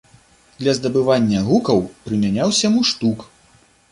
Для здабывання гукаў прымяняўся муштук.